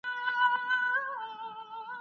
نور به د کابل دحُسن غله شړو